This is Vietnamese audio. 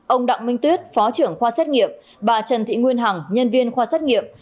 ông đặng minh tuyết phó trưởng khoa xét nghiệm bà trần thị nguyên hằng nhân viên khoa xét nghiệm